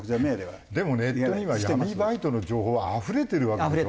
でもネットには闇バイトの情報はあふれてるわけでしょ。